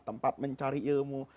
tempat mencari ilmu